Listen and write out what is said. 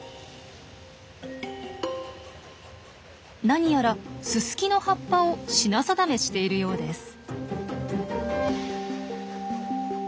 何やらススキの葉っぱを品定めしているようです。